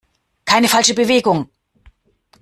Keine falsche Bewegung!